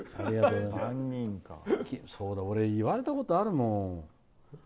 俺、言われたことあるもん。